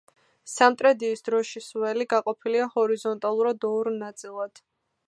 სამტრედიის დროშის ველი გაყოფილია ჰორიზონტალურად ორ ნაწილად.